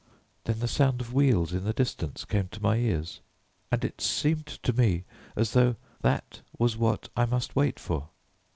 Then the sound of wheels in the distance came to my ears, and it seemed to me as though that was what I must wait for.